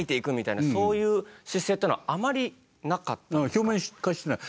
表面化してない。